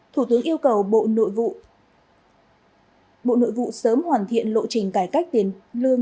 thủ tướng yêu cầu bộ nội vụ sớm hoàn thiện lộ trình cải cách tiền lương